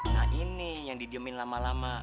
nah ini yang didiemin lama lama